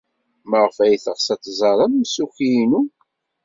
Maɣef ay teɣs ad tẓer amsukki-inu?